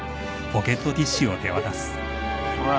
ほら。